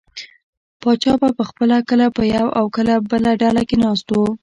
پاچا به پخپله کله په یوه او کله بله ډله کې ناست و.